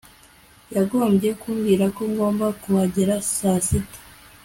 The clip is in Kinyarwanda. yagombye kumbwira ko ngomba kuhagera saa sita